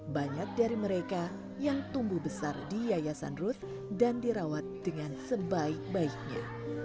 banyak dari mereka yang tumbuh besar di yayasan ruth dan dirawat dengan sebaik baiknya